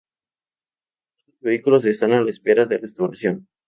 Otros vehículos están a la espera de restauración.